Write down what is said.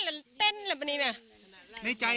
เล้นหาอันนี้ล่ะนี่